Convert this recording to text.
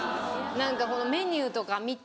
何かメニューとか見て。